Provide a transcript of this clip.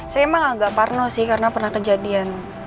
saya emang agak parno sih karena pernah kejadian